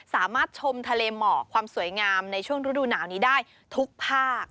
สามารถชมทะเลหมอกความสวยงามในช่วงฤดูหนาวนี้ได้ทุกภาค